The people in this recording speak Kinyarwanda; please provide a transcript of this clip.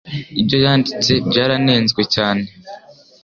Ibyo yanditse byaranenzwe cyane